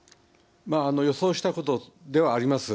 予想したことではあります。